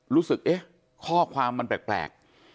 รู้สึกเอ๊ะข้อความมันแปลก